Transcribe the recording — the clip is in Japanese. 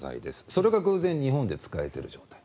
それが偶然日本で使えている状態。